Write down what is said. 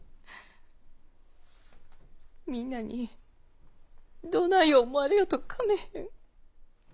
みんなにどない思われようと構へん。